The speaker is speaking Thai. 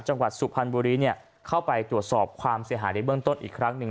จังหวัดสุพรรณบุรีเข้าไปตรวจสอบความเสียหายในเบื้องต้นอีกครั้งหนึ่ง